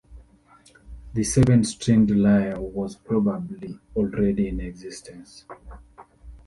The seven-stringed lyre was probably already in existence.